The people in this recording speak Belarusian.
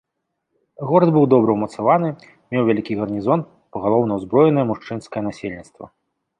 Горад быў добра ўмацаваны, меў вялікі гарнізон, пагалоўна ўзброенае мужчынскае насельніцтва.